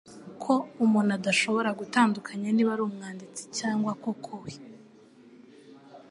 ko umuntu adashobora gutandukanya niba ari umwanditsi cyangwa koko we